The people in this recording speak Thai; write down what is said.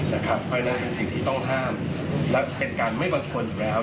และเป็นการไม่บันทนคนอยู่แหละ